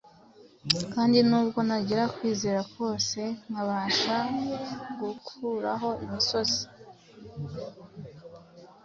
kandi nubwo nagira kwizera kose nkabasha gukuraho imisozi,